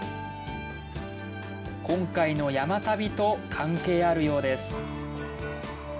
今回の山旅と関係あるようです